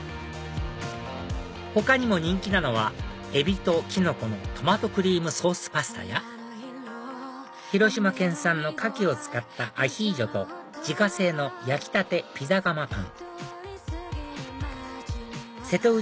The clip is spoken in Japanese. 他にも人気なのはエビとキノコのトマトクリームソースパスタや広島県産のカキを使ったアヒージョと自家製の焼きたてピザ窯パン瀬戸内